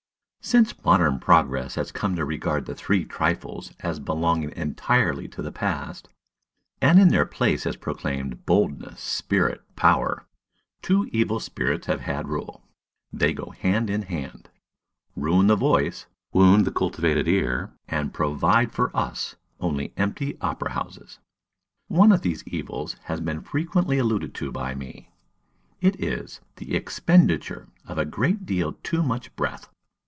Since modern progress has come to regard "the three trifles" as belonging entirely to the past, and in their place has proclaimed, "Boldness, Spirit, Power," two evil spirits have had rule: they go hand in hand, ruin the voice, wound the cultivated ear, and provide for us only empty opera houses. One of these evils has been frequently alluded to by me. It is "the expenditure of a great deal too much breath."